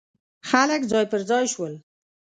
خلک ځای پر ځای شول.